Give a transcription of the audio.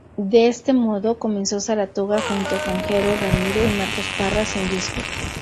De este modo, comenzó Saratoga junto con Jero Ramiro, y Marcos Parra, sin disco.